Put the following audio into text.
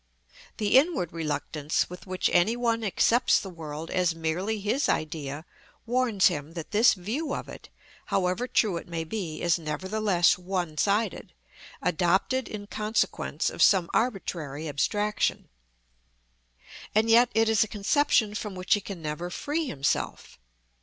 The inward reluctance with which any one accepts the world as merely his idea, warns him that this view of it, however true it may be, is nevertheless one sided, adopted in consequence of some arbitrary abstraction. And yet it is a conception from which he can never free himself.